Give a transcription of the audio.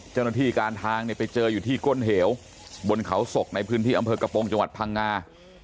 เจ้าหน้าที่การทางเนี่ยไปเจออยู่ที่ก้นเหวบนเขาศกในพื้นที่อำเภอกระโปรงจังหวัดพังงา